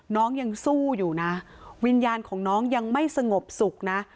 ยังสู้อยู่นะวิญญาณของน้องยังไม่สงบสุขนะ